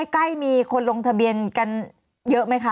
ใกล้มีคนลงทะเบียนกันเยอะไหมคะ